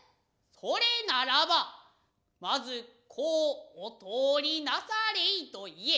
それならばまずこうお通りなされいと言え。